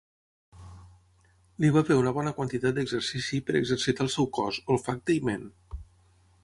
Li va bé una bona quantitat d'exercici per exercitar el seu cos, olfacte i ment.